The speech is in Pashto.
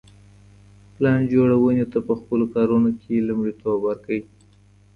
پلان جوړوني ته په خپلو کارونو کي لومړیتوب ورکړئ.